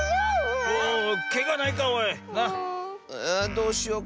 どうしよう。